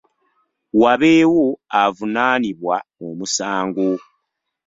Wabeewo avunaanibwa omusango.